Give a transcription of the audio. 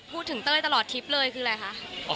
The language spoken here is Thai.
เต้ยตลอดทริปเลยคืออะไรคะ